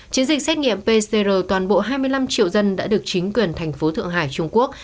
chiến dịch xét nghiệm pcr toàn bộ hai mươi năm triệu dân đã được chính quyền thành phố thượng hải trung quốc